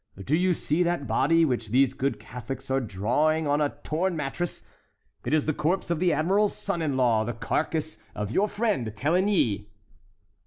Do you see that body, which these good Catholics are drawing on a torn mattress? It is the corpse of the admiral's son in law—the carcass of your friend, Téligny."